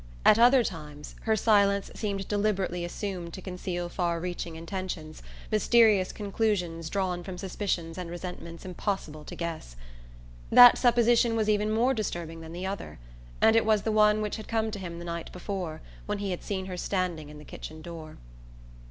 At other times her silence seemed deliberately assumed to conceal far reaching intentions, mysterious conclusions drawn from suspicions and resentments impossible to guess. That supposition was even more disturbing than the other; and it was the one which had come to him the night before, when he had seen her standing in the kitchen door.